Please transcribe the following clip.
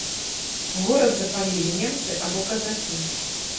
Горад запалілі немцы або казакі.